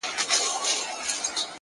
د قاف د شاپيرو اچيل دې غاړه کي زنگيږي _